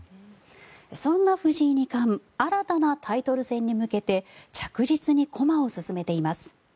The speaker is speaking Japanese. そんな藤井二冠新たなタイトル戦に向けて着実に駒を進めています。